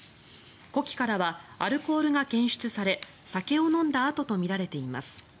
呼気からはアルコールが検出され酒を飲んだあととみられています。